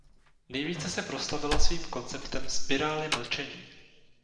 Nejvíce se proslavila svým konceptem spirály mlčení.